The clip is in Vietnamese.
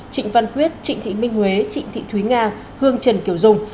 trịnh văn quyết trịnh thị minh huế trịnh thị thúy nga hương trần kiều dung